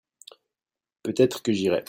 peut-être que j'irai.